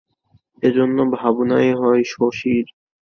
এজন্য ভাবনাও হয় শশীর।